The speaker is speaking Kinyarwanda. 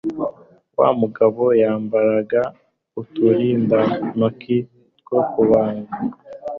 Wa mugabo yambaraga uturindantoki two kubaga.